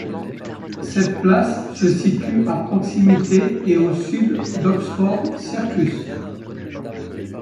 Cette place se situe à proximité et au sud d’Oxford Circus.